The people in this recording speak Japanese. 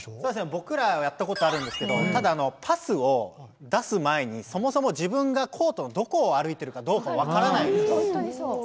僕らはやったことあるんですけどただ、パスを出す前にそもそも自分がコートのどこを歩いてるかどうか分からない。